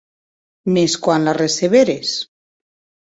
Mès quan la receberes?